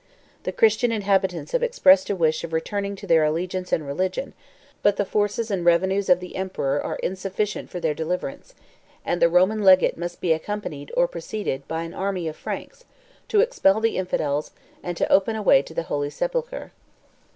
The Christian inhabitants have expressed a wish of returning to their allegiance and religion; but the forces and revenues of the emperor are insufficient for their deliverance: and the Roman legate must be accompanied, or preceded, by an army of Franks, to expel the infidels, and open a way to the holy sepulchre."